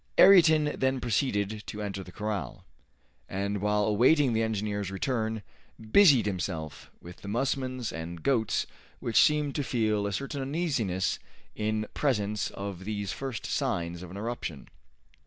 Ayrton then proceeded to enter the corral, and, while awaiting the engineer's return, busied himself with the musmons and goats which seemed to feel a certain uneasiness in presence of these first signs of an eruption.